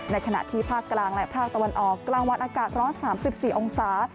ขณะที่ภาคกลางและภาคตะวันออกกลางวันอากาศร้อน๓๔องศา